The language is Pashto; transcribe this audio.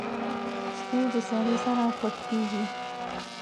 سپي د سړي سره پټ کېږي.